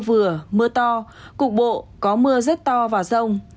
vừa mưa to cục bộ có mưa rất to và rông